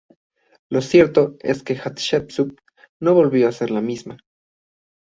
Lo cierto es que Hatshepsut no volvió a ser la misma.